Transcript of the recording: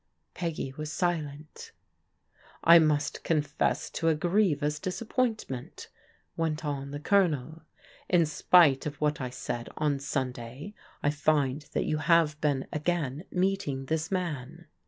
Peggy was silenL " I must confess to a grievous disappointment," went on the Colonel. " In spite of what I said on Sunday, I find that you have been again meeting this man."